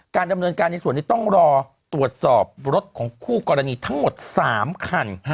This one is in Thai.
ดำเนินการในส่วนนี้ต้องรอตรวจสอบรถของคู่กรณีทั้งหมด๓คัน